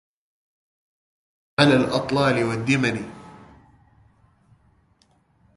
كم من وقوف على الأطلال والدمن